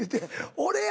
「俺や！」